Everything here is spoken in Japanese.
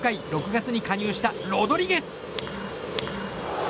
６月に加入したロドリゲス。